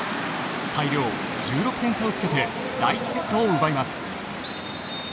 大量１６点差をつけて第１セットを奪います。